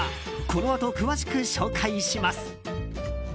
このあと詳しく紹介します。